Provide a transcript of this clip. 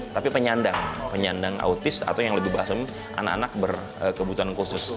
tapi penyandang penyandang autis atau yang lebih bahasanya anak anak berkebutuhan khusus